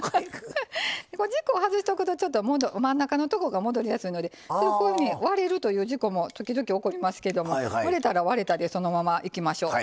軸を外しておくとちょっと真ん中のとこが戻りやすいのでこういうふうに割れるという事故も時々起こりますけども割れたら割れたでそのままいきましょう。